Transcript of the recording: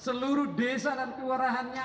seluruh desa dan kewarahannya